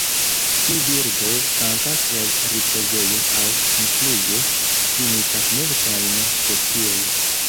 Tiu birdo kantas el ripozejo aŭ dumfluge; imitas multajn speciojn.